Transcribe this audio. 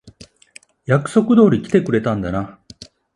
約束通り来てくれたんだな。